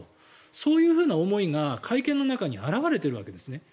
そういうふうな思いが会見の中に表れているわけですね。